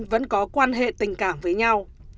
vẫn có quan hệ tình cảm với nhau